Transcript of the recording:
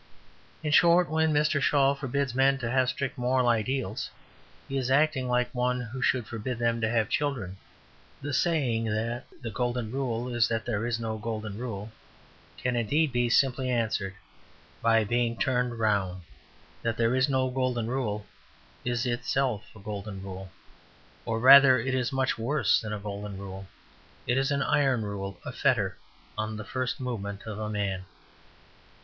In short, when Mr. Shaw forbids men to have strict moral ideals, he is acting like one who should forbid them to have children. The saying that "the golden rule is that there is no golden rule," can, indeed, be simply answered by being turned round. That there is no golden rule is itself a golden rule, or rather it is much worse than a golden rule. It is an iron rule; a fetter on the first movement of a man.